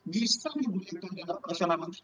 bisa memulihkan dana operasional menteri